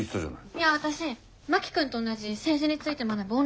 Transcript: いや私真木君と同じ政治について学ぶ